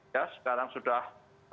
ya sekarang sudah